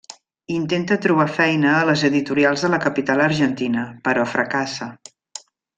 Intenta trobar feina a les editorials de la capital argentina, però fracassa.